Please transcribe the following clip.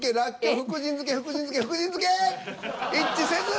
一致せず！